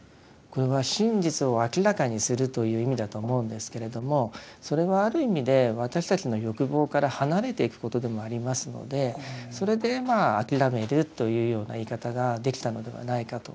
これは真実を明らかにするという意味だと思うんですけれどもそれはある意味で私たちの欲望から離れていくことでもありますのでそれでまあ「諦める」というような言い方ができたのではないかと。